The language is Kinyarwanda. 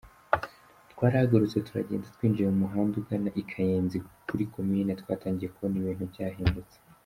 Twarahagurutse turagenda, twinjiye mu muhanda ugana i Kayenzi kuri komine, twatangiye kubona ibintu byahindutse.